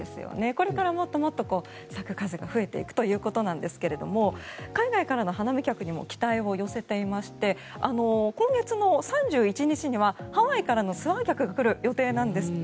これからもっともっと咲く数が増えていくということなんですが海外からの花見客にも期待を寄せていまして今月の３１日にはハワイからのツアー客が来る予定なんですって。